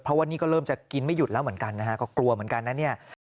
เพราะว่านี่ก็เริ่มจะกินไม่หยุดแล้วเหมือนกันนะฮะก็กลัวเหมือนกันนะเนี่ย